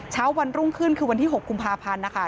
เช้าวันรุ่งขึ้นคือวันที่๖กุมภาพันธ์นะคะ